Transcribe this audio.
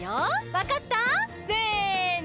わかった？せの。